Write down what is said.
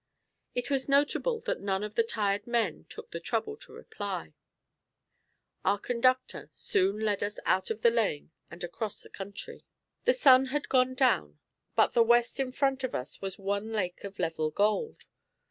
It was notable that none of the tired men took the trouble to reply. Our conductor soon led us out of the lane and across country. The sun had gone down, but the west in front of us was one lake of level gold.